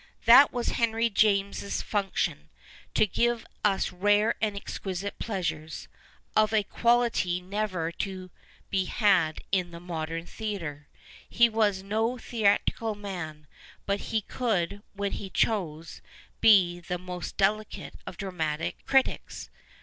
That was Henry James's function, to give us rare and exquisite pleasures, of a quality never to be had in the modern theatre. He was no theatrical man, but he could, when he chose, be the most delicate of dramatic critics.